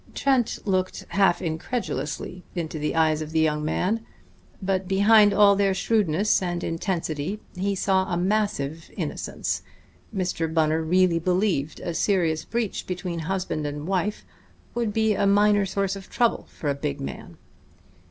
Trent looked half incredulously into the eyes of the young man. But behind all their shrewdness and intensity he saw a massive innocence. Mr. Bunner really believed a serious breach between husband and wife to be a minor source of trouble for a big man.